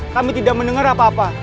kami tidak mendengar apa apa